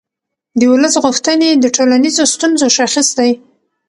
د ولس غوښتنې د ټولنیزو ستونزو شاخص دی